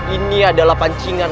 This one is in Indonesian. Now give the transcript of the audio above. ini adalah pancingan